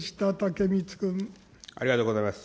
ありがとうございます。